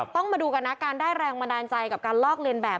ต้องมาดูกันนะการได้แรงบันดาลใจกับการลอกเลียนแบบ